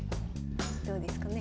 どうですかね。